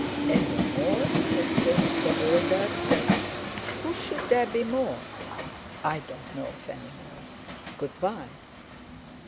"Any more?" said James bewildered, "who should there be more? I don't know of any more. Good bye."